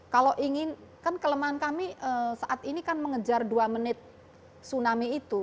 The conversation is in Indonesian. kalau ingin kan kelemahan kami saat ini kan mengejar dua menit tsunami itu